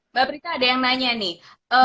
mbak prita ada yang nanya nih